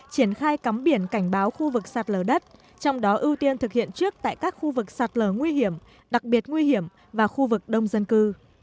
triển khai cắm biển cảnh báo khu vực sạt lở đất trong đó ưu tiên thực hiện trước tại các khu vực sạt lở nguy hiểm đặc biệt nguy hiểm và khu vực đông dân cư